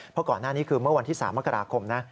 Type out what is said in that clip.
เพราะก่อนหน้านี้คือเมื่อวันที่๓มกราคมนะ